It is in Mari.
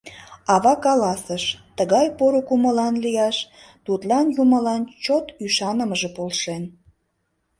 Ава каласыш: «Тыгай поро кумылан лияш тудлан юмылан чот ӱшанымыже полшен».